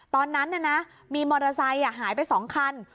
ตอนนั้นมีมอเตอร์ไซค์หายไป๒คัน